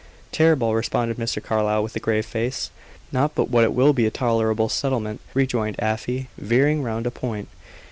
"Terrible!" responded Mr. Carlyle, with a grave face. "Not but what it will be a tolerable settlement," rejoined Afy, veering round a point.